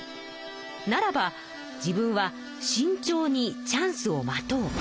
ならば自分はしんちょうにチャンスを待とう。